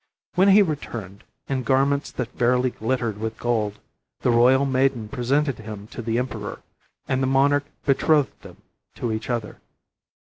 When he returned, in garments that fairly glittered with gold, the royal maiden presented him to the emperor, and the monarch betrothed them to each other.